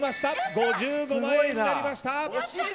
５５万円になりました。